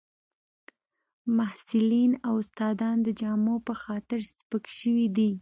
محصلین او استادان د جامو په خاطر سپک شوي دي